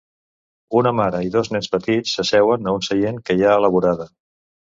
Una mare i dos nens petits s'asseuen a un seient que hi ha a la vorada.